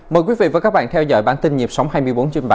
mời quý vị và các bạn theo dõi bản tin nhịp sống hai mươi bốn trên bảy